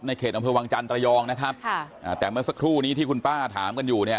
เขตอำเภอวังจันทร์ระยองนะครับค่ะอ่าแต่เมื่อสักครู่นี้ที่คุณป้าถามกันอยู่เนี่ย